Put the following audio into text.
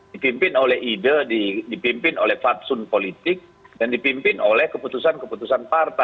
dipimpin oleh ide dipimpin oleh fatsun politik dan dipimpin oleh keputusan keputusan partai